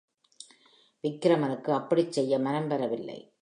விக்கிரமனுக்கு அப்படிச் செய்ய மனம் வரவில்லை.